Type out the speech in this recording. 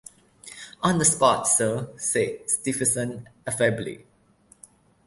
"On the spot, sir," said Stephenson affably.